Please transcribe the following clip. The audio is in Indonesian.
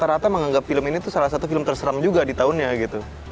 rata rata menganggap film ini tuh salah satu film terseram juga di tahunnya gitu